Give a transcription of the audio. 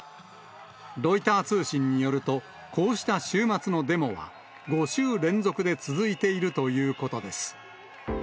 ロイター通信によると、こうした週末のデモは５週連続で続いているということです。